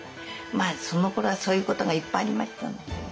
まあそのころはそういうことがいっぱいありましたのでね。